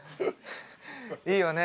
いいよね。